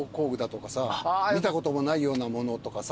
見たこともないようなものとかさ。